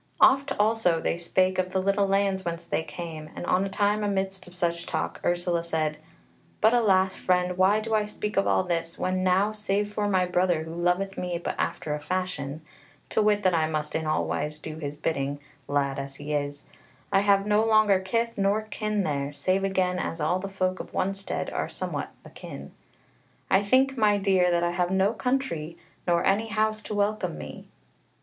Oft also they spake of the little lands whence they came, and on a time amidst of such talk Ursula said: "But alas, friend, why do I speak of all this, when now save for my brother, who loveth me but after a fashion, to wit that I must in all wise do his bidding, lad as he is, I have no longer kith nor kin there, save again as all the folk of one stead are somewhat akin. I think, my dear, that I have no country, nor any house to welcome me."